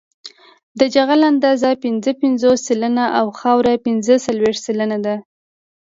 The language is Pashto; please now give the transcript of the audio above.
د جغل اندازه پنځه پنځوس سلنه او خاوره پنځه څلویښت سلنه ده